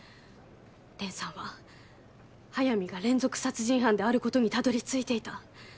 蓮さんは速水が連続殺人犯であることに辿り着いていた。